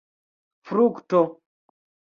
frukto